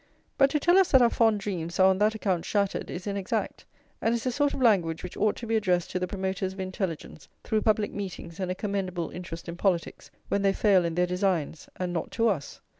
But to tell us that our fond dreams are on that account shattered is inexact, and is the sort of language which ought to be addressed to the promoters of intelligence through public meetings and a commendable interest in politics, when they fail in their designs, and not to us.